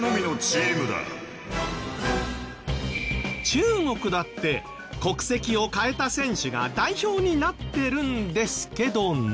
中国だって国籍を変えた選手が代表になってるんですけどね。